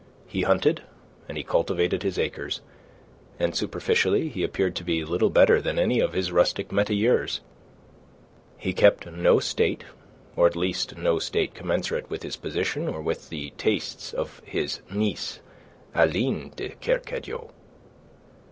He hunted, and he cultivated his acres, and superficially he appeared to be little better than any of his rustic metayers. He kept no state, or at least no state commensurate with his position or with the tastes of his niece Aline de Kercadiou.